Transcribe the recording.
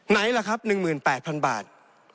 ไหนล่ะครับ๑๘๐๐๐บาท